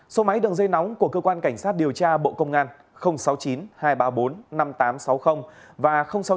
số máy đường dây nóng của cơ quan cảnh sát điều tra bộ công an sáu mươi chín hai trăm ba mươi bốn năm nghìn tám trăm sáu mươi và sáu mươi chín hai trăm ba mươi một một nghìn sáu trăm